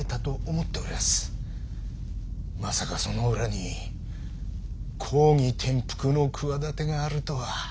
まさかその裏に公儀転覆のくわだてがあるとは。